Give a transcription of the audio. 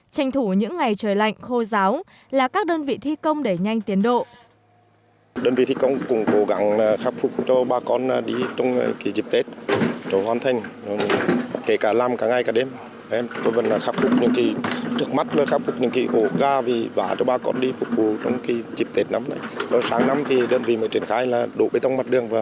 tranh thủ những ngày trời lạnh khô giáo là các đơn vị thi công đẩy nhanh tiến độ